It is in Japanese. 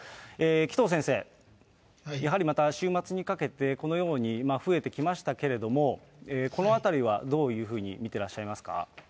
紀藤先生、やはりまた週末にかけて、このように増えてきましたけれども、このあたりはどういうふうに見てらっしゃいますか。